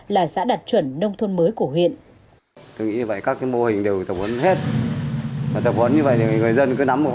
là xã đạt chuẩn nông thôn mới của huyện